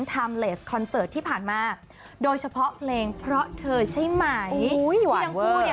ทามเลสคอนเสิร์ตที่ผ่านมาโดยเฉพาะเพลงเพราะเธอใช่ไหมอุ้ยหวานเวอร์